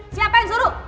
siapa yang suruh